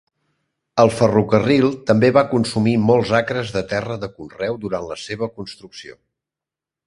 El ferrocarril també va consumir molts acres de terra de conreu durant la seva construcció.